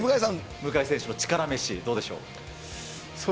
向選手の力飯、どうでしょう？